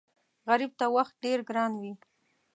غریب ته وخت ډېر ګران وي